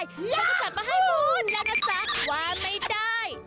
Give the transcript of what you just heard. อยากพูดอยากพูดอยากนะจ๊ะว่าไม่ได้